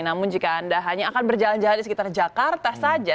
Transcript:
namun jika anda hanya akan berjalan jalan di sekitar jakarta saja